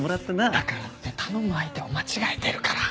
だからって頼む相手を間違えてるから。